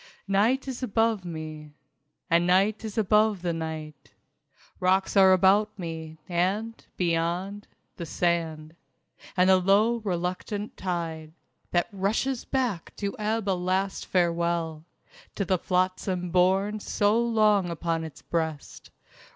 II Night is above me ... And Night is above the night. Rocks are about me, and, beyond, the sand ... And the low reluctant tide, That rushes back to ebb a last farewell To the flotsam borne so long upon its breast.